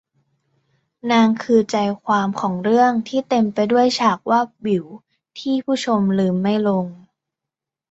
นาง คือใจความของเรื่องที่เต็มไปด้วยฉากวาบหวิวที่ผู้ชมลืมไม่ลง